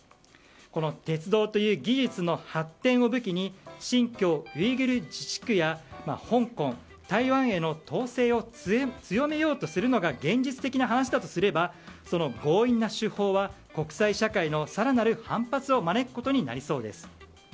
この鉄道という技術の発展を武器に新疆ウイグル自治区や香港台湾への統制を強めようとするのが現実的な話だとすればその強引な手法は国際社会の更なる反発を招くことになりそうです。